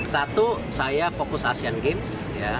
satu saya fokus asean games